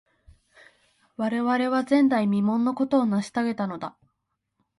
我々は、前代未聞のことを成し遂げたのだ。